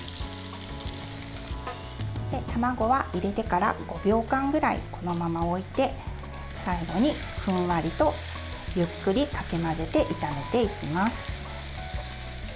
卵は入れてから５秒間くらいこのまま置いて最後にふんわりとゆっくりかき混ぜて、炒めていきます。